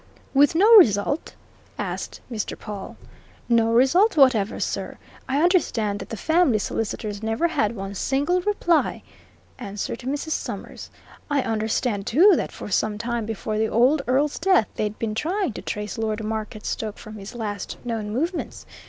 "With no result?" asked Mr. Pawle. "No result whatever, sir I understand that the family solicitors never had one single reply," answered Mrs. Summers. "I understand, too, that for some time before the old Earl's death they'd been trying to trace Lord Marketstoke from his last known movements.